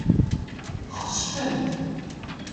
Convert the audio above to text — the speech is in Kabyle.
Xesfent.